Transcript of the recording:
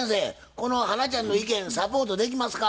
この花ちゃんの意見サポートできますか？